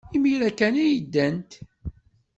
Imir-a kan ay ddant.